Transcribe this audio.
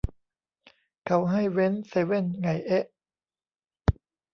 เขาให้เว้นเซเว่นไงเอ๊ะ